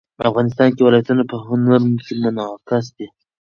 افغانستان کې ولایتونه په هنر کې منعکس کېږي.